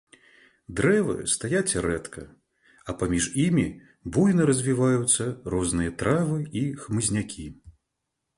Дрэвы стаяць рэдка, а паміж імі буйна развіваюцца розныя травы і хмызнякі.